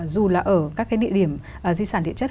dù là ở các cái địa điểm di sản địa chất